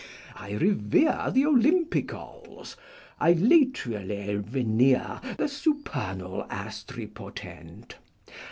I revere the Olympicols. I latrially venere the supernal Astripotent.